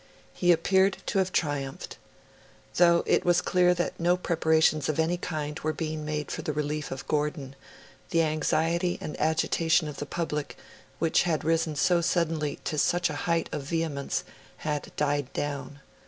He appeared to have triumphed. Though it was clear that no preparations of any kind were being made for the relief of Gordon, the anxiety and agitation of the public, which had risen so suddenly to such a height of vehemence, had died down.